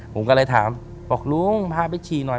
ผมก็เลยถามบอกลุงพาไปฉี่หน่อย